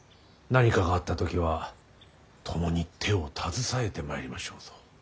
何かがあった時は共に手を携えてまいりましょうぞ。